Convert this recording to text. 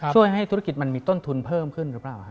ช่วยให้ธุรกิจมันมีต้นทุนเพิ่มขึ้นหรือเปล่า